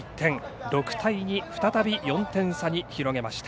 ６対２、再び４点差に広げました。